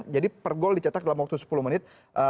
jadi per gol dicetak dalam waktu sepuluh menit